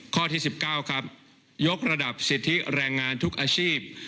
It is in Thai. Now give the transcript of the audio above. ข้อที่๑๙ครับยกระดับสิทธิแรงงานทุกอาชีพ